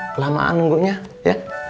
kelamaan nunggunya ya